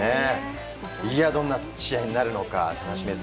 どんな試合になるのか楽しみです。